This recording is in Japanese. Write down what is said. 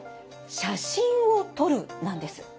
「写真を撮る」なんです。